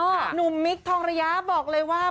หนุ่มมิคทองระยะบอกเลยว่า